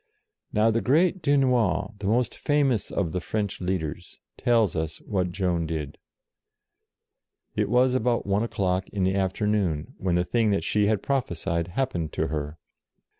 Now the great Dunois, the most famous SAVES ORLEANS 45 of the French leaders, tells us what Joan did. It was about one o'clock in the afternoon, when the thing that she had prophesied happened to her.